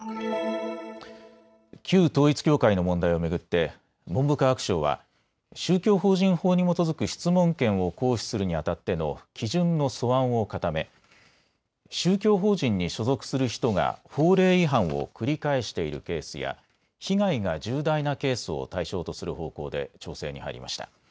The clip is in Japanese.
旧統一教会の問題を巡って文部科学省は宗教法人法に基づく質問権を行使するにあたっての基準の素案を固め宗教法人に所属する人が法令違反を繰り返しているケースや被害が重大なケースを対象とする方向で調整に入りました。